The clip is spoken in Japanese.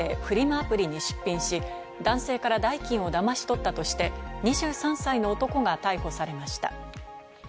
アプリに出品し、男性から代金をだまし取ったとして、２３歳の男が逮捕されました。